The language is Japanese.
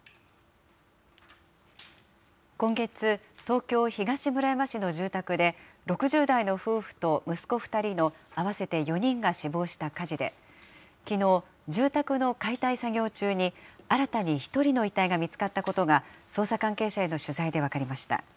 今月、東京・東村山市の住宅で６０代の夫婦と息子２人の合わせて４人が死亡した火事で、きのう、住宅の解体作業中に新たに１人の遺体が見つかったことが捜査関係者への取材で分かりました。